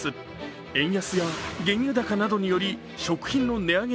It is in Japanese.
円安や原油高により食品の値上げ